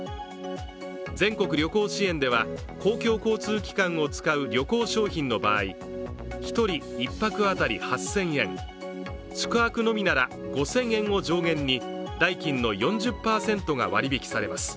全国旅行支援では、公共交通機関を使う旅行商品の場合、１人１泊当たり８０００円、宿泊のみなら５０００円を上限に代金の４０％が割引されます。